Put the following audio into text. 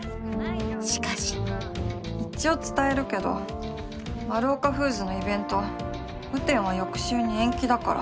しかし一応伝えるけどマルオカフーズのイベント雨天は翌週に延期だから。